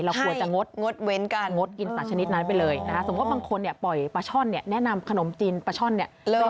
เราควรจะงดกินสัตว์ชนิดนั้นไปเลยนะครับสมมุติว่าบางคนปล่อยปลาช่อนเนี่ยแนะนำขนมจีนปลาช่อนเนี่ย